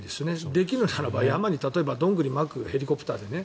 できるならば山にドングリをまくヘリコプターでね。